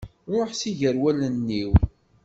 Ruḥ si ger wallen-iw!